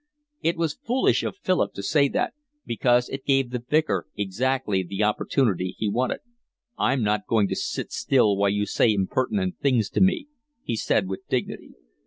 It was foolish of Philip to say that, because it gave the Vicar exactly the opportunity he wanted. "I'm not going to sit still while you say impertinent things to me," he said with dignity.